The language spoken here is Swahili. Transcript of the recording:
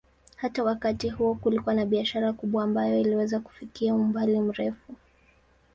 Hata wakati huo kulikuwa na biashara kubwa ambayo iliweza kufikia umbali mrefu.